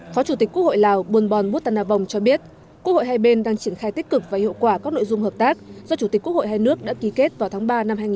phó chủ tịch quốc hội lào buôn bon bút tân a vong cho biết quốc hội hai bên đang triển khai tích cực và hiệu quả các nội dung hợp tác do chủ tịch quốc hội hai nước đã ký kết vào tháng ba năm hai nghìn hai mươi